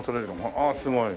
ああすごい。